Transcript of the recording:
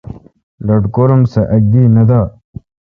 لٹکور ام سہ اک دی نہ دا۔